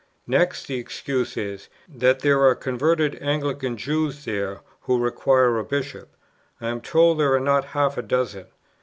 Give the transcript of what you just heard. Next, the excuse is, that there are converted Anglican Jews there who require a Bishop; I am told there are not half a dozen.